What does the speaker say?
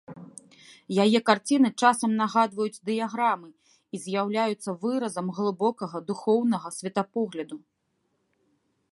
Яе карціны часам нагадваюць дыяграмы і з'яўляюцца выразам глыбокага духоўнага светапогляду.